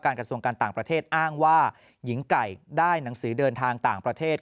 กระทรวงการต่างประเทศอ้างว่าหญิงไก่ได้หนังสือเดินทางต่างประเทศ